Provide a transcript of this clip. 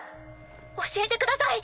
教えてください。